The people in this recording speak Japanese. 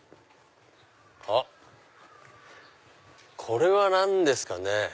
あっこれは何ですかね？